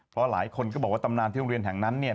เพราะหลายคนก็บอกว่าตำนานที่โรงเรียนแห่งนั้นเนี่ย